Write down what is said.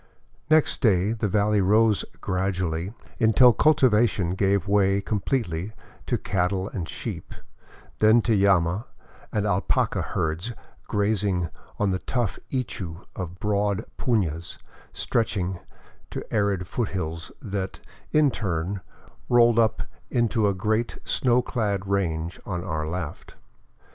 Next day the valley rose gradually, until cultivation gave way com pletely to cattle and sheep, then to llama and alpaca herds grazing on the tough ichu of broad punas stretching to arid foothills that, in turn, rolled up into a great snow clad range on our left.